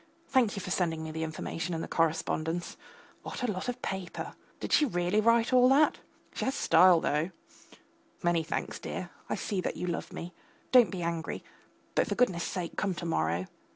Thank you for sending me the information and the correspondence. What a lot of paper. Did she really write all that? She has style though; many thanks, dear; I see that you love me. Don't be angry, but, for goodness sake, come to morrow.